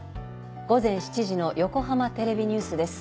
午前７時の横浜テレビニュースです。